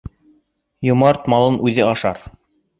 Йомарт малын үҙе ашар